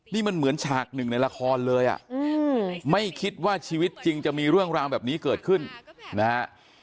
นี่มันเหมือนฉากหนึ่งในละครเลยอ่ะไม่คิดว่าชีวิตจริงจะมีเรื่องราวแบบนี้เกิดขึ้นนะฮะ